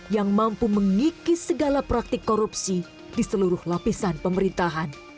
yang mampu mengikis segala praktik korupsi di seluruh lapisan pemerintahan